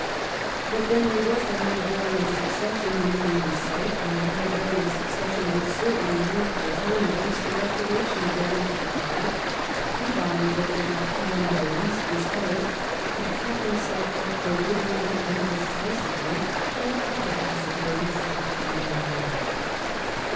But then there was the Hanoverian succession looming in sight, and the Hanoverian succession would certainly mean, for a time at least, the restoration of the Whigs to power, and BoHngbroke did not feel in the least dis posed to cut himself off deliberately and decisively from all the possibilities of the coming reign.